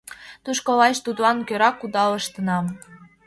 Тушко лач тудлан кӧра кудалыштынам.